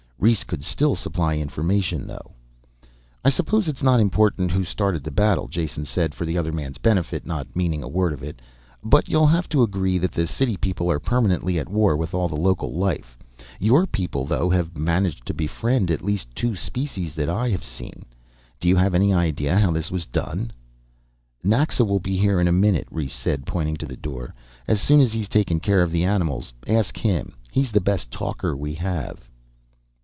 Rhes could still supply information though. "I suppose it's not important who started the battle," Jason said for the other man's benefit, not meaning a word of it, "but you'll have to agree that the city people are permanently at war with all the local life. Your people, though, have managed to befriend at least two species that I have seen. Do you have any idea how this was done?" "Naxa will be here in a minute," Rhes said, pointing to the door, "as soon as he's taken care of the animals. Ask him. He's the best talker we have."